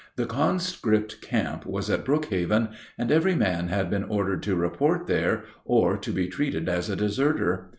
The conscript camp was at Brookhaven, and every man had been ordered to report there or to be treated as a deserter.